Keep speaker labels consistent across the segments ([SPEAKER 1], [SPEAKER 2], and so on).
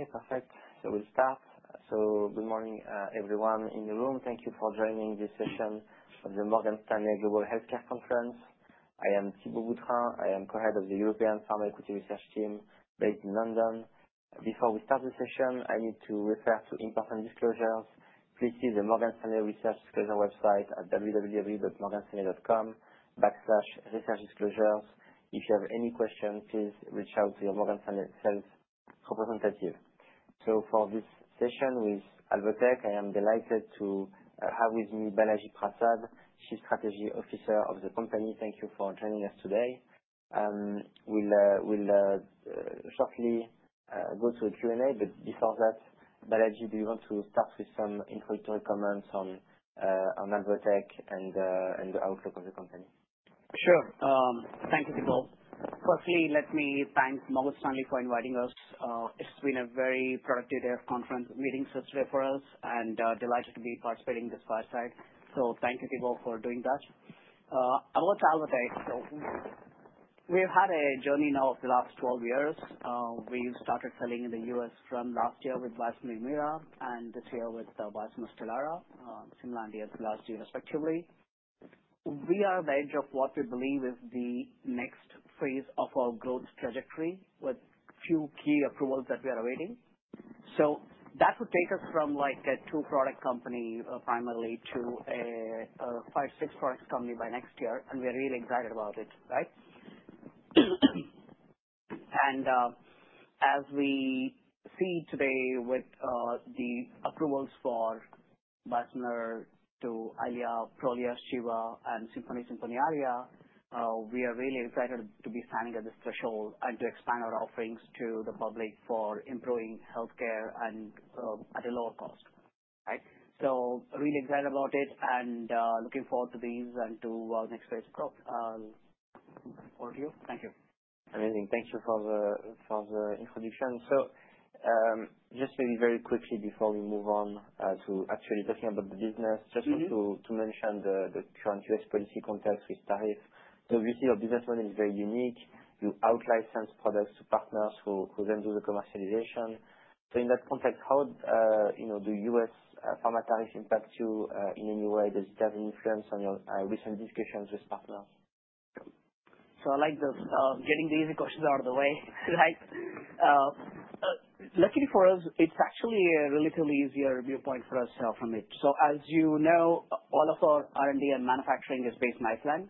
[SPEAKER 1] Okay, perfect. We'll start. Good morning, everyone in the room. Thank you for joining this session of the Morgan Stanley Global Healthcare Conference. I am Thibault Boutherin. I am Co-head of the European Pharma Equity Research Team based in London. Before we start the session, I need to refer to important disclosures. Please see the Morgan Stanley Research Disclosure website at www.morganstanley.com/researchdisclosures. If you have any questions, please reach out to your Morgan Stanley sales representative. For this session with Alvotech, I am delighted to have with me Balaji Prasad, Chief Strategy Officer of the company. Thank you for joining us today. We'll shortly go to a Q&A. But before that, Balaji, do you want to start with some introductory comments on Alvotech and the outlook of the company?
[SPEAKER 2] Sure. Thank you, Thibault. Firstly, let me thank Morgan Stanley for inviting us. It's been a very productive day of conference meetings yesterday for us, and delighted to be participating this fireside. So thank you, Thibault, for doing that. About Alvotech, so we've had a journey now of the last 12 years. We've started selling in the U.S. from last year with biosimilar Humira and this year with biosimilar Stelara, Simlandi last year, respectively. We are at the edge of what we believe is the next phase of our growth trajectory with a few key approvals that we are awaiting. So that would take us from, like, a two-product company, primarily to a five, six-product company by next year. And we are really excited about it, right? As we see today with the approvals for biosimilar to Eylea, Prolia, Xgeva, and Simponi/Simponi Aria, we are really excited to be standing at this threshold and to expand our offerings to the public for improving healthcare and at a lower cost, right? Really excited about it and looking forward to these and to our next phase of growth. Over to you. Thank you.
[SPEAKER 1] Amazing. Thank you for the introduction. So, just maybe very quickly before we move on, to actually talking about the business, just want to mention the current U.S. policy context with tariffs. So obviously, your business model is very unique. You out-license products to partners who then do the commercialization. So in that context, how, you know, do U.S. pharma tariffs impact you, in any way? Does it have an influence on your recent discussions with partners?
[SPEAKER 2] So I like this, getting the easy questions out of the way, right? Luckily for us, it's actually a relatively easier viewpoint for us to have from it. So as you know, all of our R&D and manufacturing is based in Iceland.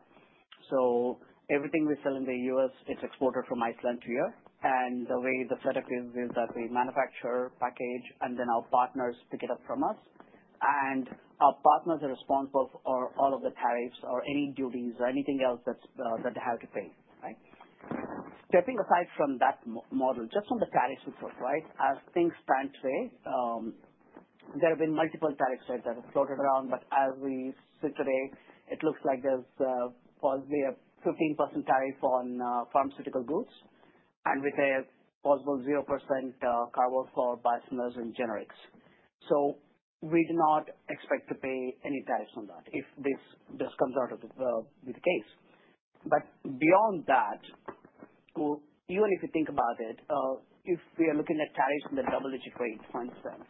[SPEAKER 2] So everything we sell in the U.S., it's exported from Iceland to here. And the way the setup is, is that we manufacture, package, and then our partners pick it up from us. And our partners are responsible for all of the tariffs or any duties or anything else that's, that they have to pay, right? Stepping aside from that model, just on the tariffs itself, right? As things stand today, there have been multiple tariffs that have floated around. But as we sit today, it looks like there's possibly a 15% tariff on pharmaceutical goods and with a possible 0% carve-out for biosimilars and generics. So we do not expect to pay any tariffs on that if this comes out of the case. But beyond that, we even if you think about it, if we are looking at tariffs in the double-digit rate, for instance,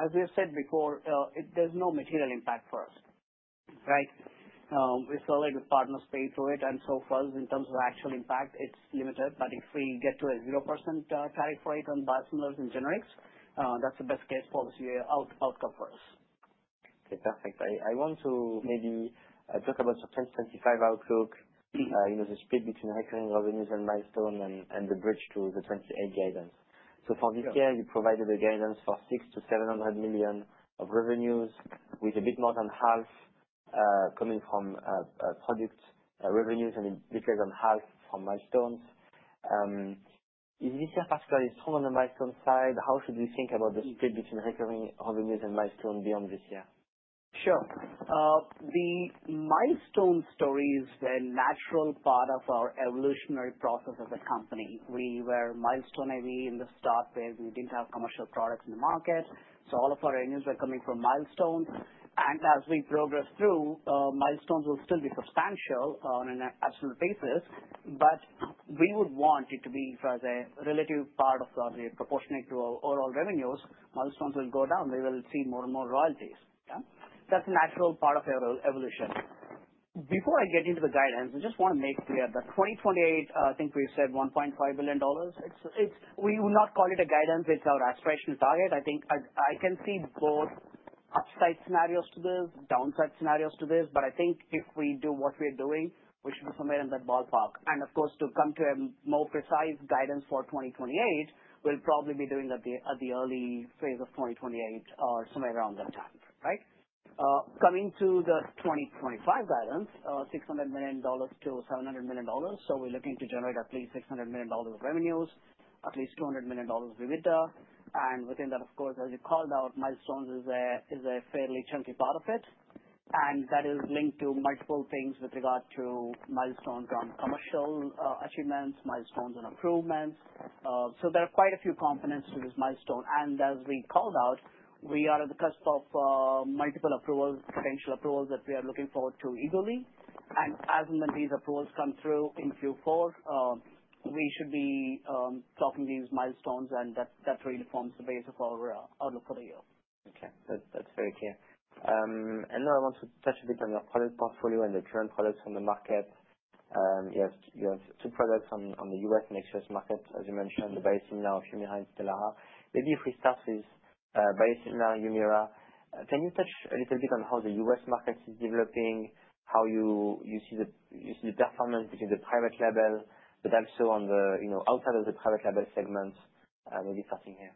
[SPEAKER 2] as we have said before, there's no material impact for us, right? We saw that with partners paying for it. And so for us, in terms of actual impact, it's limited. But if we get to a 0% tariff rate on biosimilars and generics, that's the best case for us, you know, outcome for us.
[SPEAKER 1] Fantastic. I want to maybe talk about the 2025 outlook, you know, the split between recurring revenues and milestones and the bridge to the 2028 guidance. So for this year, you provided a guidance for $600 million-$700 million of revenues with a bit more than half coming from product revenues, and a bit less than half from milestones. Is this year particularly strong on the milestone side? How should we think about the split between recurring revenues and milestones beyond this year?
[SPEAKER 2] Sure. The milestone story is the natural part of our evolutionary process as a company. We were milestone-heavy in the start where we didn't have commercial products in the market. So all of our revenues were coming from milestones. And as we progress through, milestones will still be substantial on an absolute basis. But we would want it to be for the relative part of the proportionate to our overall revenues. Milestones will go down. We will see more and more royalties, yeah? That's a natural part of our evolution. Before I get into the guidance, I just want to make clear that 2028, I think we've said $1.5 billion. It's, we will not call it a guidance. It's our aspirational target. I think I can see both upside scenarios to this, downside scenarios to this. But I think if we do what we are doing, we should be somewhere in that ballpark. And of course, to come to a more precise guidance for 2028, we'll probably be doing at the early phase of 2028 or somewhere around that time, right? Coming to the 2025 guidance, $600 million-$700 million. So we're looking to generate at least $600 million of revenues, at least $200 million with EBITDA. And within that, of course, as you called out, milestones is a fairly chunky part of it. And that is linked to multiple things with regard to milestones on commercial achievements, milestones and improvements. So there are quite a few components to this milestone. And as we called out, we are at the cusp of multiple approvals, potential approvals that we are looking forward to eagerly. As and when these approvals come through in Q4, we should be talking these milestones. That really forms the base of our outlook for the year.
[SPEAKER 1] Okay. That's very clear, and now I want to touch a bit on your product portfolio and the current products on the market. You have two products on the U.S. and ex-U.S. market, as you mentioned, the biosimilar Humira, and Stelara. Maybe if we start with biosimilar to Humira, can you touch a little bit on how the US market is developing, how you see the performance between the private label, but also on the, you know, outside of the private label segments, maybe starting here?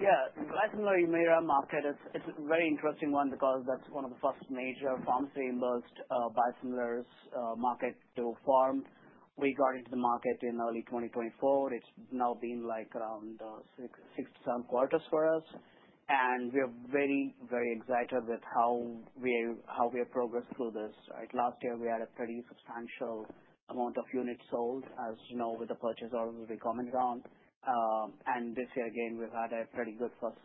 [SPEAKER 2] Yeah. Biosimilar Humira market, it's a very interesting one because that's one of the first major pharmacy-reimbursed biosimilars market to form. We got into the market in early 2024. It's now been around six to seven quarters for us. And we are very excited with how we have progressed through this, right? Last year, we had a pretty substantial amount of units sold, as you know, with the purchase orders we commented on. And this year, again, we've had a pretty good first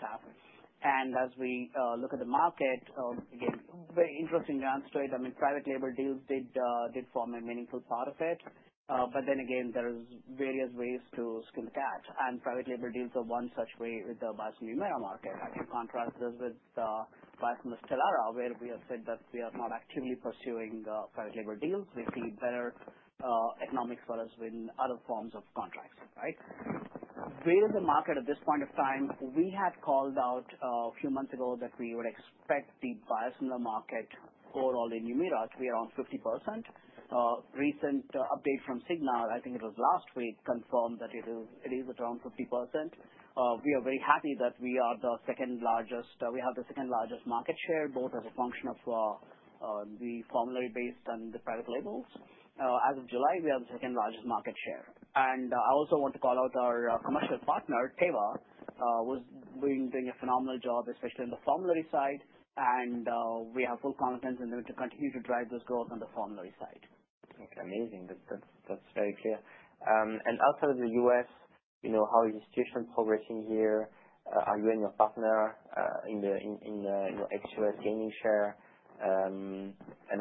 [SPEAKER 2] half. And as we look at the market, again, very interesting to answer it. I mean, private label deals did form a meaningful part of it. But then again, there is various ways to skin the cat. And private label deals are one such way with the biosimilar Humira market. I can contrast this with biosimilar Stelara, where we have said that we are not actively pursuing private label deals. We see better economics for us with other forms of contracts, right? Within the market at this point of time, we had called out a few months ago that we would expect the biosimilar market overall in Humira to be around 50%. A recent update from IQVIA, I think it was last week, confirmed that it is at around 50%. We are very happy that we are the second largest, we have the second largest market share both as a function of the formulary-based and the private labels. As of July, we are the second largest market share. And I also want to call out our commercial partner Teva, who's been doing a phenomenal job, especially on the formulary side. We have full confidence in them to continue to drive this growth on the formulary side.
[SPEAKER 1] Okay. Amazing. That's very clear and outside of the U.S., you know, how is the situation progressing here? Are you and your partner in the, you know, ex-U.S. gaining share? And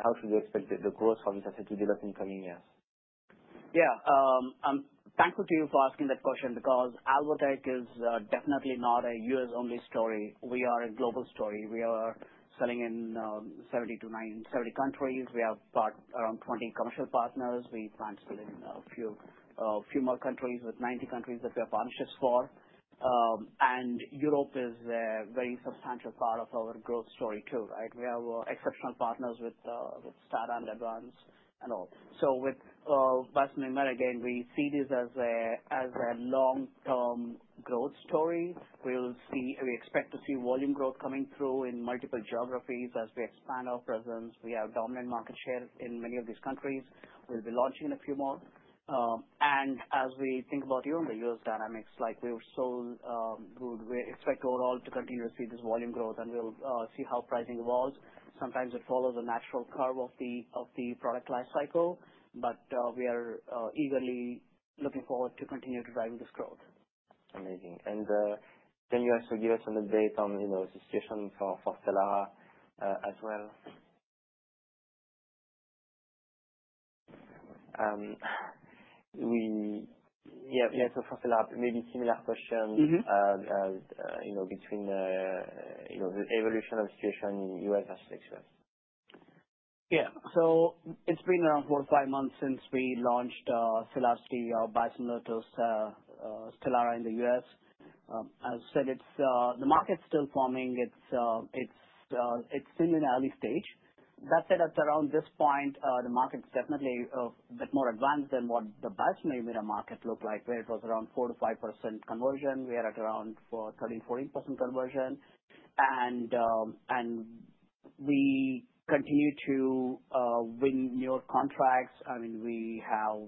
[SPEAKER 1] how should we expect the growth of this STADA development in the coming years?
[SPEAKER 2] Yeah. I'm thankful to you for asking that question because Alvotech is definitely not a U.S.-only story. We are a global story. We are selling in 70 to 90 countries. We have about 20 commercial partners. We plan to sell in a few more countries with 90 countries that we have partnerships for, and Europe is a very substantial part of our growth story too, right? We have exceptional partners with STADA and Advanz and all. So with biosimilar Humira, again, we see this as a long-term growth story. We will see we expect to see volume growth coming through in multiple geographies as we expand our presence. We have dominant market share in many of these countries. We'll be launching in a few more. And as we think about even the U.S. dynamics, like we've sold good, we expect overall to continue to see this volume growth. And we'll see how pricing evolves. Sometimes it follows a natural curve of the product lifecycle. But we are eagerly looking forward to continue to drive this growth.
[SPEAKER 1] Amazing. And, can you also give us some update on, you know, the situation for Stelara, as well? Yeah, yeah, so for Stelara, maybe similar questions.
[SPEAKER 2] Mm-hmm.
[SPEAKER 1] You know, between, you know, the evolution of the situation in U.S. versus Express.
[SPEAKER 2] Yeah. So it's been around four or five months since we launched Selarsdi, biosimilar to Stelara in the U.S.. As I said, it's the market's still forming. It's still in an early stage. That said, at around this point, the market's definitely a bit more advanced than what the biosimilar Humira market looked like, where it was around 4%-5% conversion. We are at around 13%-14% conversion. And we continue to win newer contracts. I mean, we have,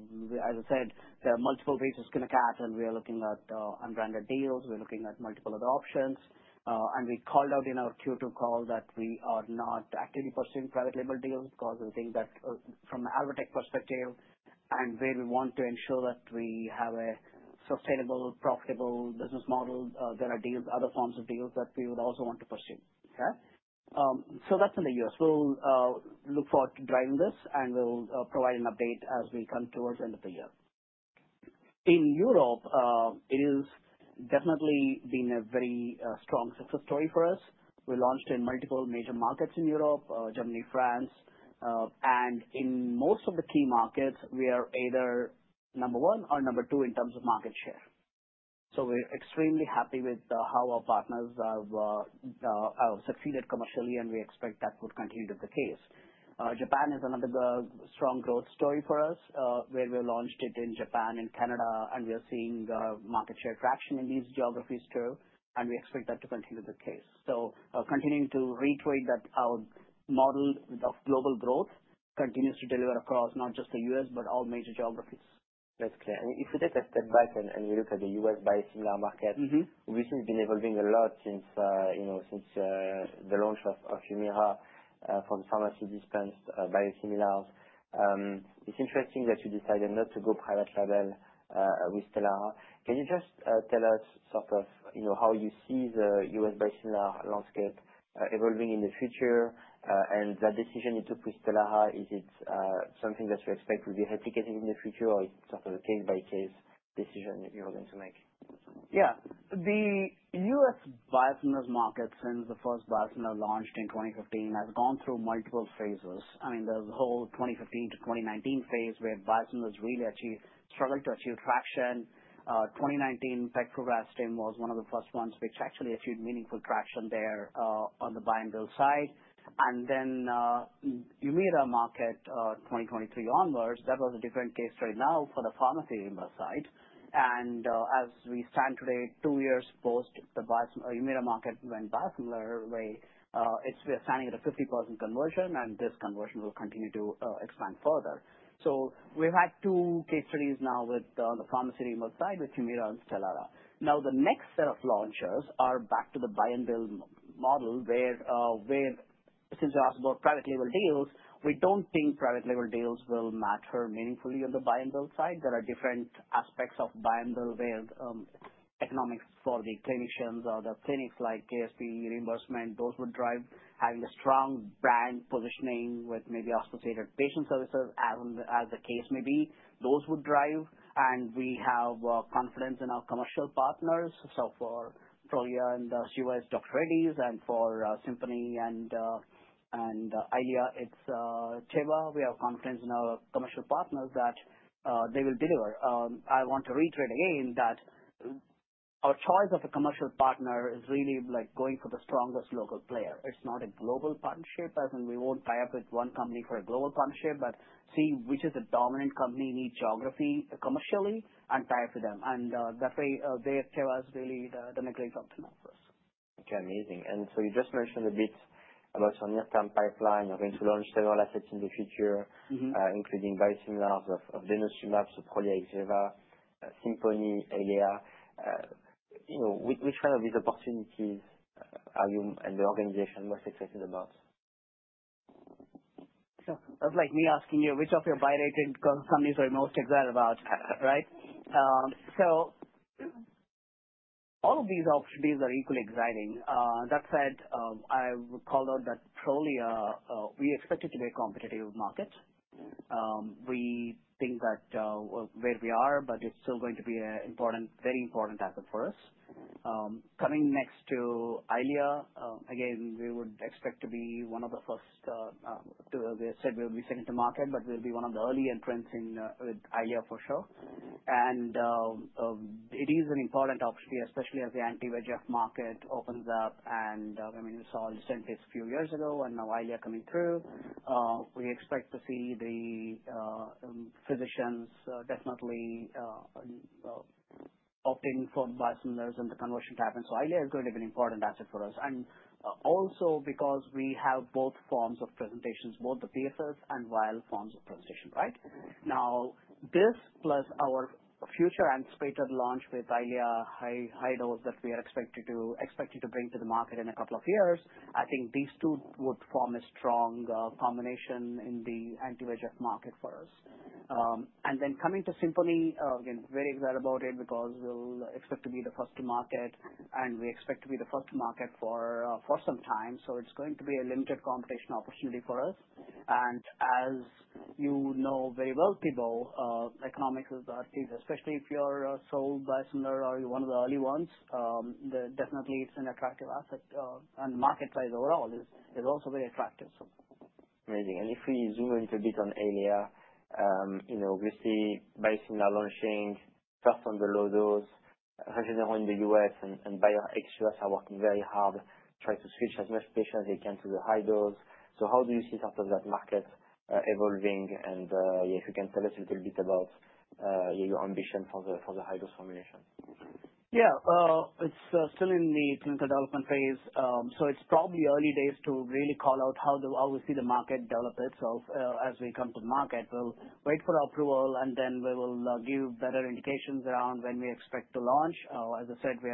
[SPEAKER 2] as I said, there are multiple ways to skin the cat. And we are looking at unbranded deals. We're looking at multiple other options. And we called out in our Q2 call that we are not actively pursuing private label deals because we think that from Alvotech perspective and where we want to ensure that we have a sustainable, profitable business model, there are deals, other forms of deals that we would also want to pursue, okay? So that's in the U.S.. We'll look forward to driving this. And we'll provide an update as we come towards the end of the year. In Europe, it has definitely been a very strong success story for us. We launched in multiple major markets in Europe, Germany, France. And in most of the key markets, we are either number one or number two in terms of market share. So we're extremely happy with how our partners have succeeded commercially. And we expect that would continue to be the case. Japan is another good, strong growth story for us, where we launched it in Japan and Canada, and we are seeing market share traction in these geographies too, and we expect that to continue to be the case, so continuing to reiterate that our model of global growth continues to deliver across not just the U.S., but all major geographies.
[SPEAKER 1] That's clear, and if we take a step back and, and we look at the U.S. biosimilar market.
[SPEAKER 2] Mm-hmm.
[SPEAKER 1] Which has been evolving a lot since, you know, the launch of Humira for the pharmaceutical-based biosimilars. It's interesting that you decided not to go private label with Stelara. Can you just tell us sort of, you know, how you see the U.S. biosimilar landscape evolving in the future, and that decision you took with Stelara, is it something that you expect will be replicated in the future, or it's sort of a case-by-case decision you're going to make?
[SPEAKER 2] Yeah. The U.S. biosimilars market, since the first biosimilar launched in 2015, has gone through multiple phases. I mean, there's a whole 2015 to 2019 phase where biosimilars really struggled to achieve traction. 2019, pegfilgrastim was one of the first ones which actually achieved meaningful traction there, on the buy-and-bill side. And then, Humira market, 2023 onwards, that was a different case right now for the pharmaceutical side. And, as we stand today, two years post the biosimilar Humira market went biosimilar way, we are standing at a 50% conversion. And this conversion will continue to expand further. So we've had two case studies now with the pharmaceutical side, with Humira and Stelara. Now, the next set of launchers are back to the buy-and-bill model, where since you asked about private label deals, we don't think private label deals will matter meaningfully on the buy-and-bill side. There are different aspects of buy-and-bill where economics for the clinicians or the clinics, like ASP reimbursement, those would drive having a strong brand positioning with maybe associated patient services as the case may be. Those would drive. And we have confidence in our commercial partners. So for Prolia and Xgeva, Dr. Reddy's, and for Simponi and Eylea, it's Teva. We have confidence in our commercial partners that they will deliver. I want to reiterate again that our choice of a commercial partner is really like going for the strongest local player. It's not a global partnership. As in, we won't tie up with one company for a global partnership, but see which is a dominant company in each geography commercially and tie up with them. And, that way, they have Teva as really the, the leading company now for us.
[SPEAKER 1] Okay. Amazing. And so you just mentioned a bit about your near-term pipeline. You're going to launch several assets in the future.
[SPEAKER 2] Mm-hmm.
[SPEAKER 1] including biosimilars of denosumab, so Prolia, Xgeva, Simponi, Eylea. You know, which kind of these opportunities are you and the organization most excited about?
[SPEAKER 2] So that's like me asking you which of your biosimilars are you most excited about, right? So all of these opportunities are equally exciting. That said, I've called out that Prolia, we expect it to be a competitive market. We think that where we are, but it's still going to be a important, very important asset for us. Coming next to Eylea, again, we would expect to be one of the first. We said we'll be second to market, but we'll be one of the early entrants in with Eylea for sure. It is an important opportunity, especially as the anti-VEGF market opens up. I mean, we saw a recent case a few years ago, and now Eylea coming through. We expect to see the physicians definitely opting for biosimilars and the conversion to happen. Eylea is going to be an important asset for us. Also, because we have both forms of presentations, both the PFS and vial forms of presentation, right? Now, this plus our future anticipated launch with Eylea, high-dose that we are expected to bring to the market in a couple of years, I think these two would form a strong combination in the anti-VEGF market for us. Then coming to Simponi, again, very excited about it because we'll expect to be the first to market. And we expect to be the first to market for some time. So it's going to be a limited competition opportunity for us. And as you know very well, Teva, economics is a thing, especially if you're a sole biosimilar or you're one of the early ones. Definitely, it's an attractive asset. And the market size overall is also very attractive, so.
[SPEAKER 1] Amazing. And if we zoom a little bit on Eylea, you know, we see biosimilar launching first on the low dose, Regeneron in the U.S. and, and Bayer ex-U.S. are working very hard, trying to switch as much patients as they can to the high dose. So how do you see sort of that market, evolving? And, yeah, if you can tell us a little bit about, your ambition for the high-dose formulations.
[SPEAKER 2] Yeah. It's still in the clinical development phase. So it's probably early days to really call out how we see the market develop itself, as we come to the market. We'll wait for approval. And then we will give better indications around when we expect to launch. As I said, we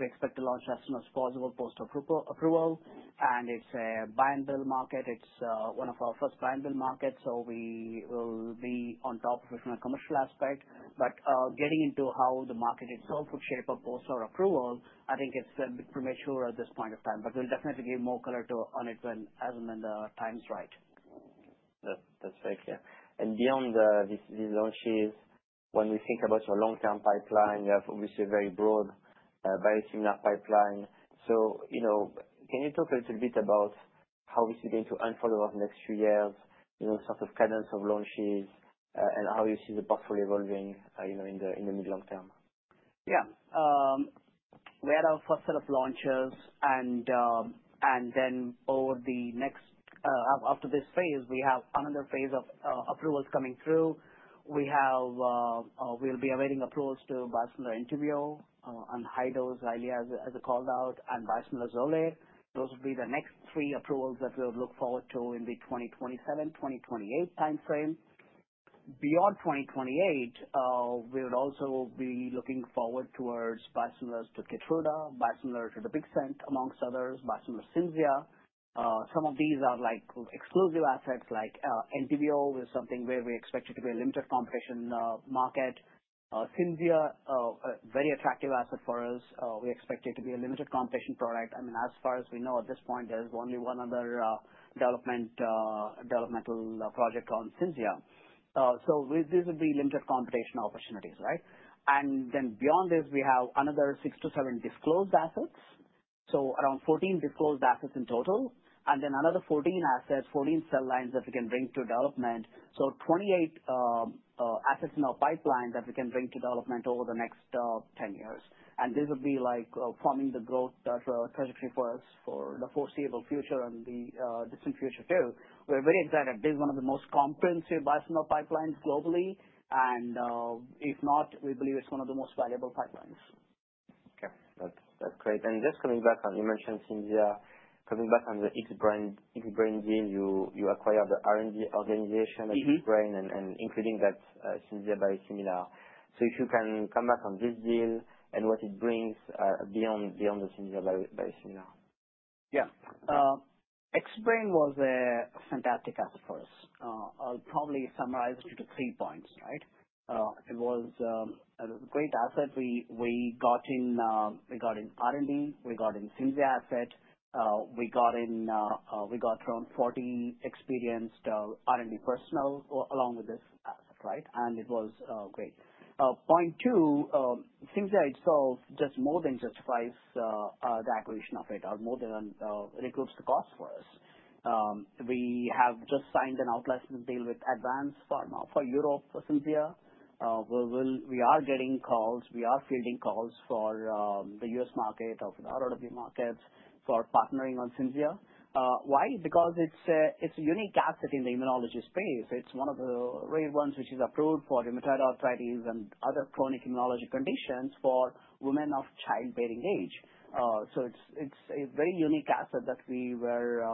[SPEAKER 2] expect to launch as soon as possible post approval. And it's a buy-and-bill market. It's one of our first buy-and-bill markets. So we will be on top of it from a commercial aspect. But getting into how the market itself would shape up post our approval, I think it's a bit premature at this point of time. But we'll definitely give more color on it when the time's right.
[SPEAKER 1] That's very clear. And beyond these launches, when we think about your long-term pipeline, you have obviously a very broad biosimilar pipeline. So, you know, can you talk a little bit about how we see going to unfold over the next few years, you know, sort of cadence of launches, and how you see the portfolio evolving, you know, in the mid-long term?
[SPEAKER 2] Yeah. We had our first set of launches. And then over the next, after this phase, we have another phase of approvals coming through. We have, we'll be awaiting approvals to biosimilar Entyvio, and high-dose Eylea as a call-out, and biosimilar Xolair. Those would be the next three approvals that we would look forward to in the 2027, 2028 timeframe. Beyond 2028, we would also be looking forward towards biosimilars to Keytruda, biosimilar to the Dupixent, amongst others, biosimilar Cimzia. Some of these are like exclusive assets, like, Entyvio is something where we expect it to be a limited competition market. Cimzia, a very attractive asset for us. We expect it to be a limited competition product. I mean, as far as we know at this point, there's only one other developmental project on Cimzia. So these would be limited competition opportunities, right? And then beyond this, we have another six to seven disclosed assets, so around 14 disclosed assets in total. And then another 14 assets, 14 cell lines that we can bring to development. So 28 assets in our pipeline that we can bring to development over the next 10 years. And this would be like forming the growth trajectory for us for the foreseeable future and the distant future too. We're very excited. This is one of the most comprehensive biosimilar pipelines globally. And if not, we believe it's one of the most valuable pipelines.
[SPEAKER 1] Okay. That's great. And just coming back on, you mentioned Cimzia. Coming back o n the Xbrane deal, you acquired the R&D organization.
[SPEAKER 2] Mm-hmm.
[SPEAKER 1] Of Xbrane and including that, Cimzia biosimilar. So if you can come back on this deal and what it brings, beyond the Cimzia biosimilar.
[SPEAKER 2] Yeah. Xbrane was a fantastic asset for us. I'll probably summarize it into three points, right? It was a great asset. We got in R&D. We got in Cimzia asset. We got in around 40 experienced R&D personnel along with this asset, right? And it was great. Point two, Cimzia itself just more than justifies the acquisition of it or more than it recoups the cost for us. We have just signed an out-licensing deal with Advanz Pharma for Europe for Cimzia. We are getting calls. We are fielding calls for the U.S. market and the ROW markets for partnering on Cimzia. Why? Because it's a unique asset in the immunology space. It's one of the rare ones which is approved for rheumatoid arthritis and other chronic immunology conditions for women of childbearing age. So it's a very unique asset that we were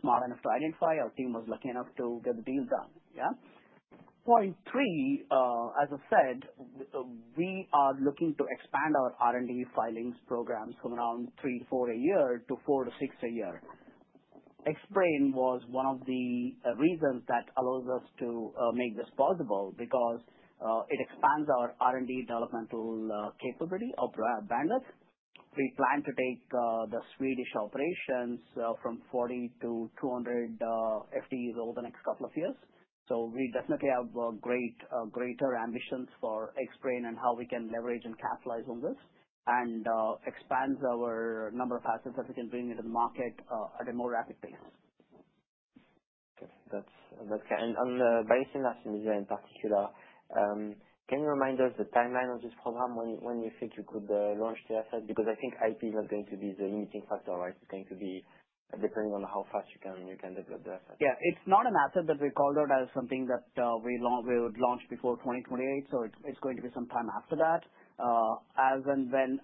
[SPEAKER 2] smart enough to identify. Our team was lucky enough to get the deal done, yeah? Point three, as I said, we are looking to expand our R&D filings programs from around three to four a year to four to six a year. Xbrane was one of the reasons that allows us to make this possible because it expands our R&D developmental capability or bandwidth. We plan to take the Swedish operations from 40-200 FTEs over the next couple of years. So we definitely have greater ambitions for Xbrane and how we can leverage and capitalize on this and expand our number of assets that we can bring into the market at a more rapid pace.
[SPEAKER 1] Okay. That's great. And on the biosimilar Cimzia in particular, can you remind us the timeline of this program when you think you could launch the asset? Because I think IP is not going to be the limiting factor, right? It's going to be depending on how fast you can develop the asset.
[SPEAKER 2] Yeah. It's not an asset that we called out as something that, we would launch before 2028. So it's, it's going to be some time after that. As and when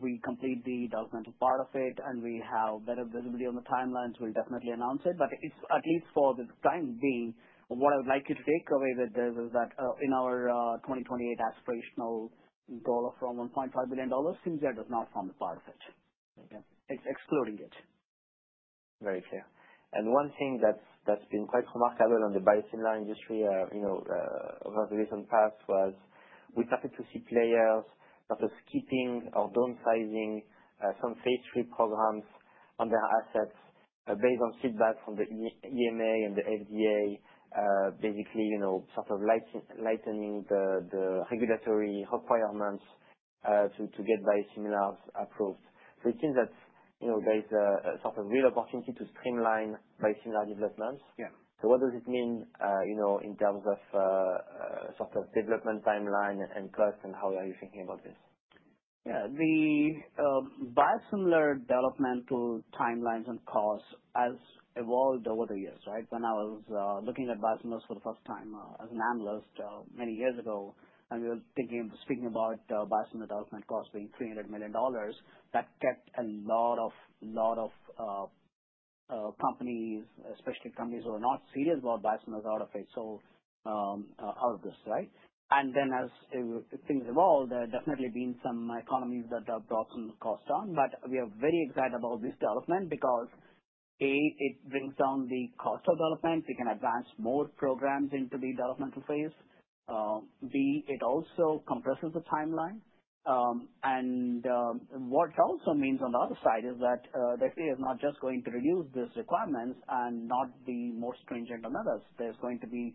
[SPEAKER 2] we complete the developmental part of it and we have better visibility on the timelines, we'll definitely announce it. But it's at least for the time being, what I would like you to take away with this is that, in our, 2028 aspirational goal of around $1.5 billion, Cimzia does not form a part of it.
[SPEAKER 1] Okay.
[SPEAKER 2] It's excluding it.
[SPEAKER 1] Very clear. And one thing that's been quite remarkable on the biosimilar industry, you know, over the recent past was we started to see players sort of skipping or downsizing some Phase III programs on their assets, based on feedback from the EMA and the FDA, basically, you know, sort of lightening the regulatory requirements to get biosimilars approved. So it seems that, you know, there is a sort of real opportunity to streamline biosimilar developments.
[SPEAKER 2] Yeah.
[SPEAKER 1] So what does it mean, you know, in terms of, sort of development timeline and cost, and how are you thinking about this?
[SPEAKER 2] Yeah. The biosimilar developmental timelines and costs has evolved over the years, right? When I was looking at biosimilars for the first time, as an analyst, many years ago, and we were thinking of speaking about biosimilar development costs being $300 million, that kept a lot of companies, especially companies who are not serious about biosimilars out of it, out of this, right? And then as things evolved, there have definitely been some economies that have dropped some costs down. But we are very excited about this development because, A, it brings down the cost of development. We can advance more programs into the developmental phase. B, it also compresses the timeline. And what it also means on the other side is that the FDA is not just going to reduce these requirements and not be more stringent on others. There's going to be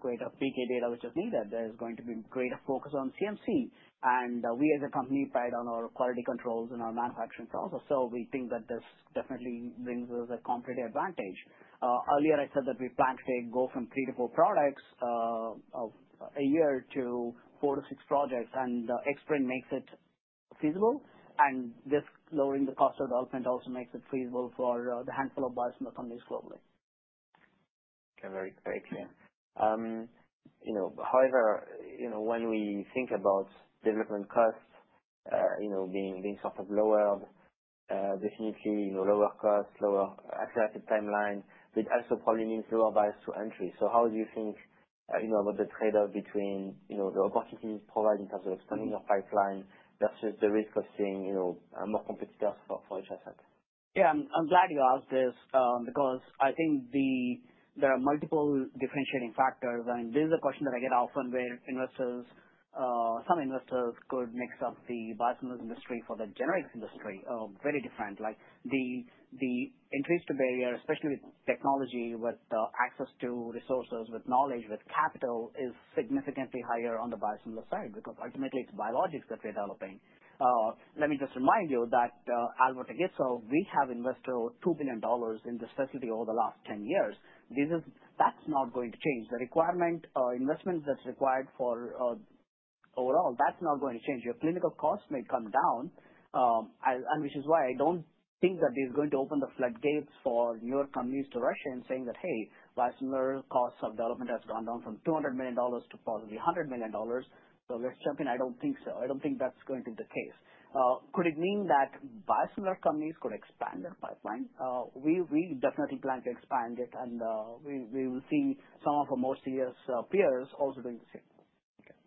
[SPEAKER 2] greater PK data, which is needed. There's going to be greater focus on CMC. And we as a company pride on our quality controls and our manufacturing process. So we think that this definitely brings us a competitive advantage. Earlier, I said that we plan to go from three to four products a year to four to six projects. And Xbrane makes it feasible. And this lowering the cost of development also makes it feasible for the handful of biosimilar companies globally.
[SPEAKER 1] Okay. Very clear. You know, however, you know, when we think about development costs, you know, being sort of lowered, definitely, you know, lower cost, lower accelerated timeline, but also probably means lower barriers to entry. So how do you think, you know, about the trade-off between, you know, the opportunities provided in terms of expanding your pipeline versus the risk of seeing, you know, more competitors for each asset?
[SPEAKER 2] Yeah. I'm glad you asked this, because I think there are multiple differentiating factors. I mean, this is a question that I get often where investors, some investors could mix up the biosimilars industry for the generics industry. Very different. Like, the barriers to entry, especially with technology, with access to resources, with knowledge, with capital, is significantly higher on the biosimilar side because ultimately, it's biologics that we're developing. Let me just remind you that Alvotech itself, we have invested over $2 billion in this facility over the last 10 years. This, that's not going to change. The required investment, overall, that's not going to change. Your clinical cost may come down, as and which is why I don't think that this is going to open the floodgates for newer companies to rush in saying that, "Hey, biosimilar costs of development has gone down from $200 million to possibly $100 million." So let's jump in. I don't think so. I don't think that's going to be the case. Could it mean that biosimilar companies could expand their pipeline? We, we definitely plan to expand it. And, we, we will see some of our more serious, peers also doing the same.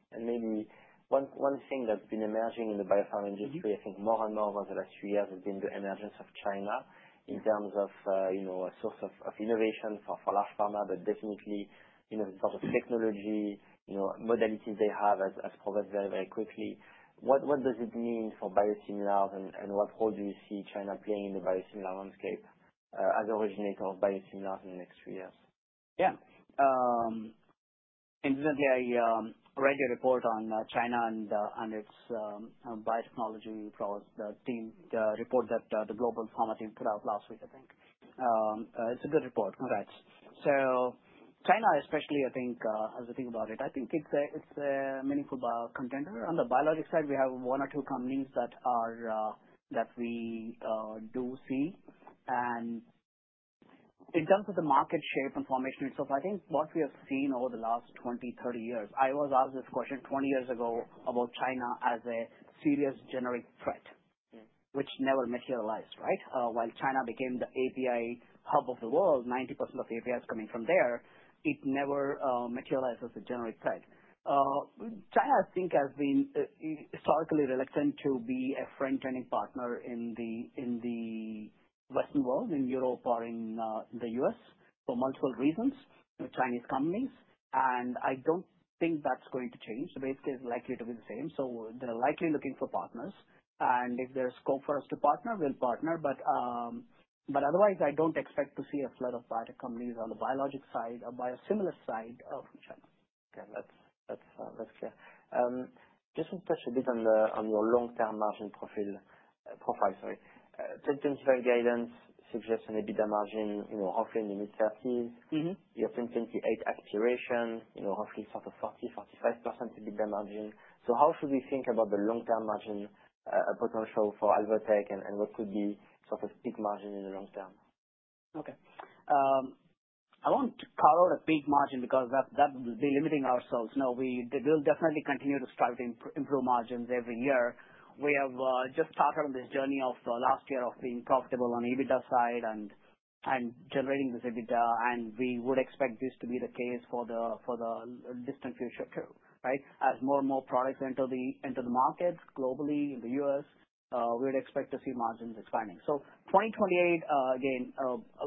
[SPEAKER 1] Okay. And maybe one thing that's been emerging in the biopharma industry, I think more and more over the last few years, has been the emergence of China in terms of, you know, a source of innovation for large pharma. But definitely, you know, the sort of technology, you know, modalities they have has progressed very, very quickly. What does it mean for biosimilars and what role do you see China playing in the biosimilar landscape, as a originator of biosimilars in the next few years?
[SPEAKER 2] Yeah. Incidentally, I read your report on China and its biotechnology from the team, the report that the Global Pharma team put out last week, I think. It's a good report. All right. So China, especially, I think, as we think about it, I think it's a meaningful bio contender. On the biologics side, we have one or two companies that we do see. And in terms of the market shape and formation itself, I think what we have seen over the last 20 years-30 years, I was asked this question 20 years ago about China as a serious generic threat, which never materialized, right? While China became the API hub of the world, 90% of APIs coming from there, it never materialized as a generic threat. China, I think, has been is historically reluctant to be a frontrunning partner in the Western world, in Europe or in the U.S. for multiple reasons, with Chinese companies. And I don't think that's going to change. The base case is likely to be the same. So they're likely looking for partners. And if there's scope for us to partner, we'll partner. But otherwise, I don't expect to see a flood of biotech companies on the biologics side, biosimilar side, from China.
[SPEAKER 1] Okay. That's clear. Just to touch a bit on your long-term margin profile, sorry. 2025 guidance suggests an EBITDA margin, you know, roughly in the mid-30s%.
[SPEAKER 2] Mm-hmm.
[SPEAKER 1] You have 2028 aspiration, you know, roughly sort of 40%-45% EBITDA margin. So how should we think about the long-term margin potential for Alvotech and what could be sort of peak margin in the long term?
[SPEAKER 2] Okay. I won't call out a peak margin because that would be limiting ourselves. No, we'll definitely continue to strive to improve margins every year. We have just started on this journey last year of being profitable on the EBITDA side and generating this EBITDA. And we would expect this to be the case for the distant future too, right? As more and more products enter the markets globally in the U.S., we would expect to see margins expanding. 2028, again,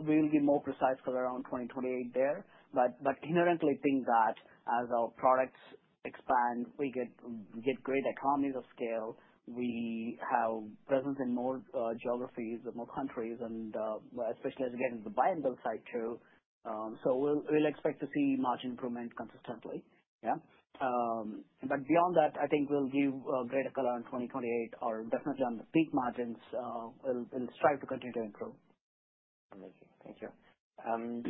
[SPEAKER 2] we will be more precise because around 2028 there. But inherently, I think that as our products expand, we get great economies of scale. We have presence in more geographies and more countries. And especially as we get into the buy-and-bill side too. So we'll expect to see margin improvement consistently, yeah? But beyond that, I think we'll give greater color on 2028 or definitely on the peak margins. We'll strive to continue to improve.
[SPEAKER 1] Amazing. Thank you, and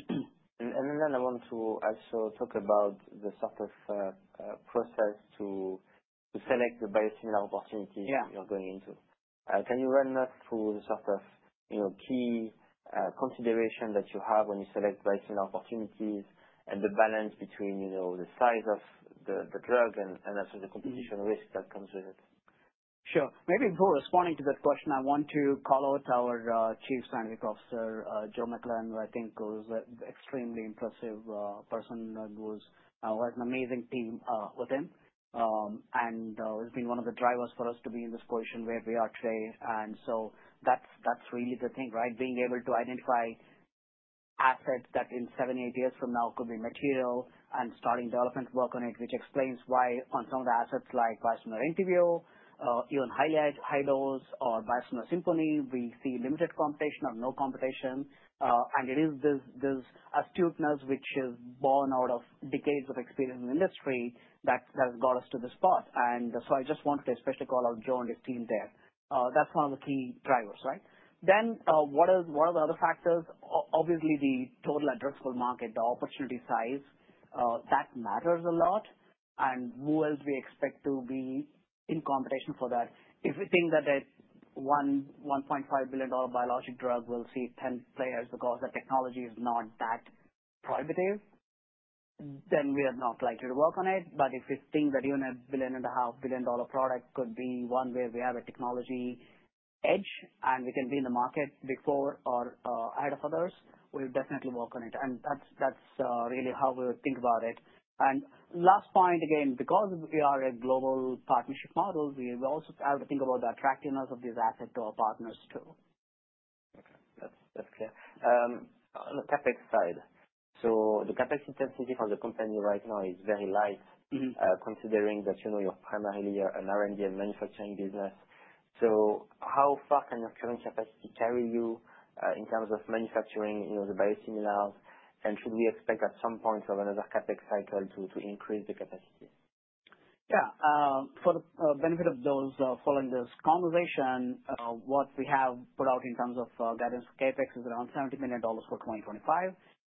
[SPEAKER 1] then I want to also talk about the sort of process to select the biosimilar opportunities.
[SPEAKER 2] Yeah.
[SPEAKER 1] Can you run us through the sort of, you know, key consideration that you have when you select biosimilar opportunities and the balance between, you know, the size of the drug and also the competition risk that comes with it?
[SPEAKER 2] Sure. Maybe before responding to that question, I want to call out our Chief Scientific Officer, Joe McClellan, who I think was an extremely impressive person, who was, who has an amazing team with him. And he's been one of the drivers for us to be in this position where we are today. And so that's, that's really the thing, right? Being able to identify assets that in seven, eight years from now could be material and starting development work on it, which explains why on some of the assets like biosimilar Entyvio, even Eylea high-dose, or biosimilar Simponi, we see limited competition or no competition. And it is this, this astuteness, which is born out of decades of experience in the industry, that, that has got us to this spot. And so I just wanted to especially call out Joe and his team there. That's one of the key drivers, right? Then, what are the other factors? Obviously, the total addressable market, the opportunity size, that matters a lot. And who else do we expect to be in competition for that? If we think that one, $1.5 billion biologic drug will see 10 players because the technology is not that prohibitive, then we are not likely to work on it. But if we think that even $1.5 billion product could be one where we have a technology edge and we can be in the market before or ahead of others, we'll definitely work on it. And that's really how we would think about it. And last point, again, because we are a global partnership model, we also have to think about the attractiveness of these assets to our partners too.
[SPEAKER 1] Okay. That's, that's clear. On the CapEx side, so the CapEx intensity for the company right now is very light.
[SPEAKER 2] Mm-hmm.
[SPEAKER 1] Considering that, you know, you're primarily an R&D and manufacturing business. So how far can your current capacity carry you, in terms of manufacturing, you know, the biosimilars? And should we expect at some point another CapEx cycle to increase the capacity?
[SPEAKER 2] Yeah. For the benefit of those following this conversation, what we have put out in terms of guidance for CapEx is around $70 million for 2025.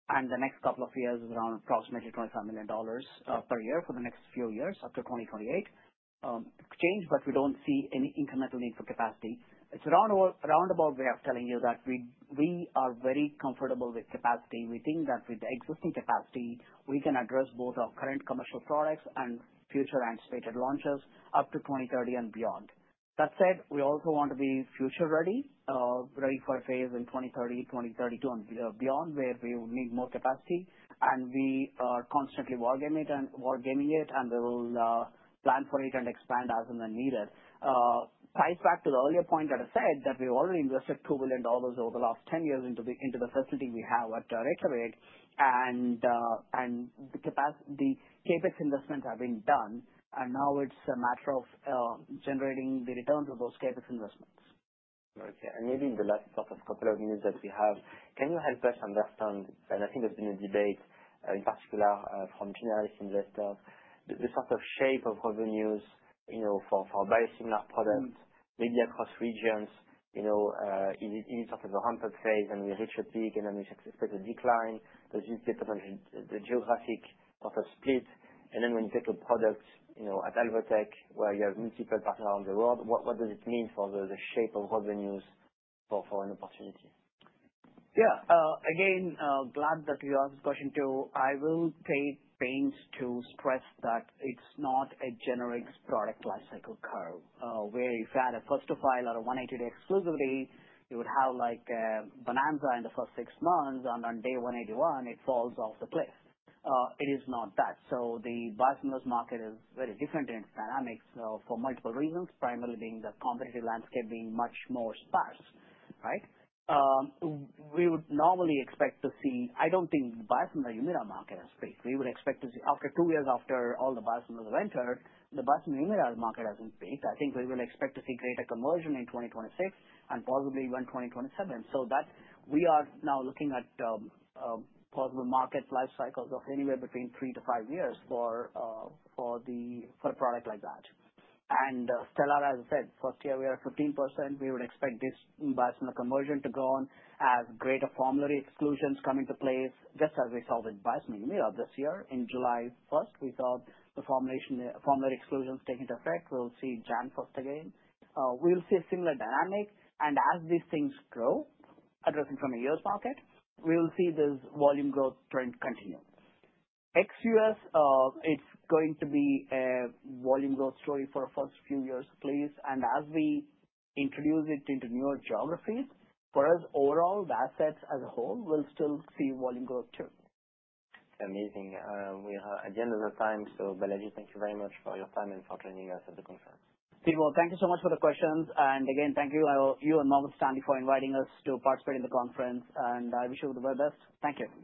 [SPEAKER 2] And the next couple of years is around approximately $25 million per year for the next few years after 2028 exchange. But we don't see any incremental need for capacity. It's around. We are telling you that we are very comfortable with capacity. We think that with the existing capacity, we can address both our current commercial products and future anticipated launches up to 2030 and beyond. That said, we also want to be future-ready, ready for a phase in 2030, 2032, and beyond where we will need more capacity. And we are constantly wargaming it and wargaming it. And we will plan for it and expand as and when needed. Ties back to the earlier point that I said that we've already invested $2 billion over the last 10 years into the facility we have at Reykjavik. The CapEx investments have been done, and now it's a matter of generating the returns of those CapEx investments.
[SPEAKER 1] Okay. And maybe in the last sort of couple of minutes that we have, can you help us understand, and I think there's been a debate, in particular, from generic investors, the sort of shape of revenues, you know, for biosimilar products, maybe across regions, you know, is it sort of a ramp-up phase and we reach a peak and then we expect a decline? Does this depend on the geographic sort of split? And then when you take a product, you know, at Alvotech where you have multiple partners around the world, what does it mean for the shape of revenues for an opportunity?
[SPEAKER 2] Yeah. Again, glad that you asked the question too. I will take pains to stress that it's not a generic product lifecycle curve, where if you had a first-to-file or a 180-day exclusivity, you would have, like, bonanza in the first six months, and on day 181, it falls off the cliff. It is not that. So the biosimilars market is very different in its dynamics, for multiple reasons, primarily being the competitive landscape being much more sparse, right? I don't think the biosimilar Humira market has peaked. We would expect to see, after two years after all the biosimilars have entered, the biosimilar Humira market hasn't peaked. I think we will expect to see greater conversion in 2026 and possibly even 2027. That we are now looking at possible market lifecycles of anywhere between 3 years-5 years for a product like that. And Stelara, as I said, first year, we are at 15%. We would expect this biosimilar conversion to go on as greater formulary exclusions come into place, just as we saw with biosimilar Humira this year. On July 1st, we saw the formulary exclusions take into effect. We'll see January 1st again. We'll see a similar dynamic. And as these things grow, addressing from a U.S. market, we will see this volume growth trend continue. Ex-U.S., it's going to be a volume growth story for the first few years, please. And as we introduce it into newer geographies, for us overall, the assets as a whole will still see volume growth too.
[SPEAKER 1] Amazing. We are at the end of the time. So, Balaji, thank you very much for your time and for joining us at the conference.
[SPEAKER 2] Thibault, well, thank you so much for the questions, and again, thank you, you and Morgan Stanley for inviting us to participate in the conference, and I wish you the very best. Thank you.